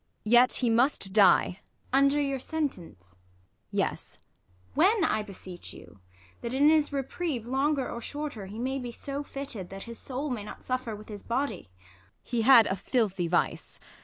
Yet, he must die. ISAB. Under your sentence 1 Ang. Yes. ISAB. When, I beseech you 1 that, in his reprieve Longer or shorter, he may be so fitted Tliat his soul may not suffer with his body. Ang. He had a filthy vice.